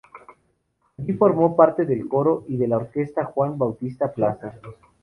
Allí formó parte del coro y de la Orquesta Juan Bautista Plaza.